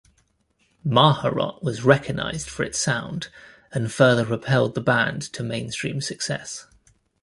"Maharot" was recognized for its sound, and further propelled the band to mainstream success.